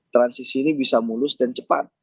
transisi ini bisa mulus dan cepat